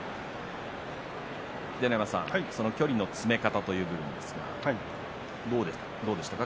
距離の詰め方という部分ですがどうでしたか？